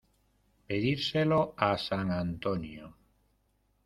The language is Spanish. Pedírselo a san antonio.